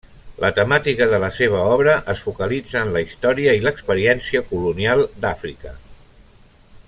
La temàtica de la seva obra es focalitza en la història i l'experiència colonial d’Àfrica.